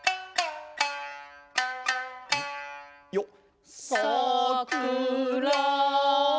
よっ。